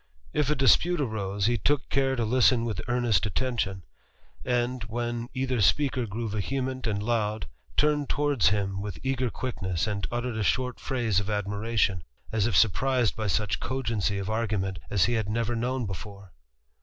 If a dispute arose, he took care to listen with earnest attention ; and, when either speaker grew vehement a^d loud, turned towards him with eager quickness, and uttered a short phrase of admiration, as if surprised by such cogency of argument as he had never known before.